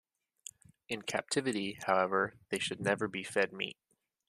In captivity, however, they should never be fed meat.